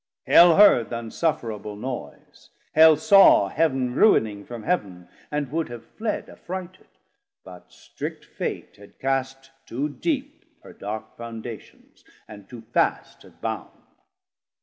Hell heard th' unsufferable noise, Hell saw Heav'n ruining from Heav'n and would have fled Affrighted; but strict Fate had cast too deep Her dark foundations, and too fast had bound.